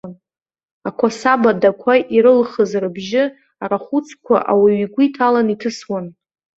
Ақәасаб адақәа ирылхыз рыбжьы арахәыцқәа ауаҩы игәы иҭалан иҭысуан.